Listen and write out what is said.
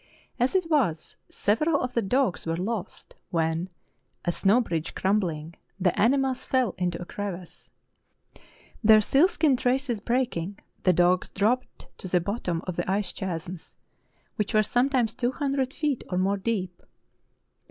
As it was, several of the dogs were lost when, a snow bridge crumbHng, the animals fell into a crevasse. Their seal skin traces breaking, the dogs dropped to the bot tom of the ice chasms, which were sometimes two hun dred feet or more deep.